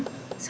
saya gak ada